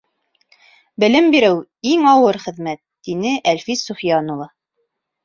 — Белем биреү — иң ауыр хеҙмәт, — тине Әлфис Суфиян улы.